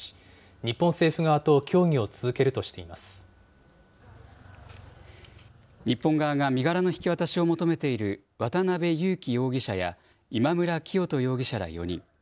日本側が身柄の引き渡しを求めている、渡邉優樹容疑者や今村磨人容疑者ら４人。